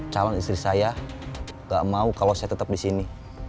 calon istri saya gak mau kalau saya tetap di sini